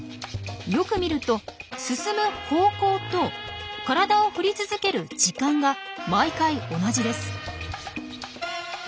よく見ると進む方向と体を振り続ける時間が毎回同じです。